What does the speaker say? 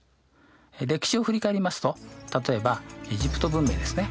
歴史を振り返りますと例えばエジプト文明ですね。